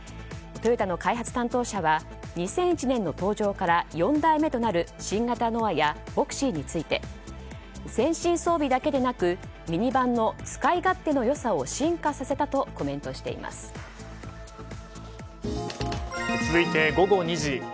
トヨタの開発担当者は２００１年の登場から４代目となる新型ノアやヴォクシーについて先進装備だけでなくミニバンの使い勝手の良さを続いて、午後２時。